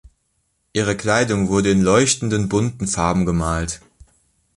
Ihre Kleidung wurde in leuchtenden, bunten Farben gemalt.